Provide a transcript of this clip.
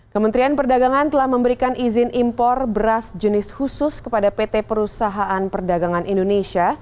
kementerian perdagangan telah memberikan izin impor beras jenis khusus kepada pt perusahaan perdagangan indonesia